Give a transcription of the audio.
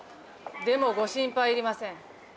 でもご心配いりません。